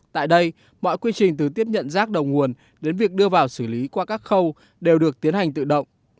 tại đây mọi quy trình từ tiếp nhận rác đầu nguồn đến việc đưa vào xử lý qua các khâu đều được tiến hành tự động